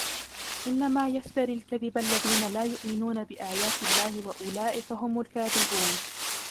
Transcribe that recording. إِنَّمَا يَفْتَرِي الْكَذِبَ الَّذِينَ لَا يُؤْمِنُونَ بِآيَاتِ اللَّهِ وَأُولَئِكَ هُمُ الْكَاذِبُونَ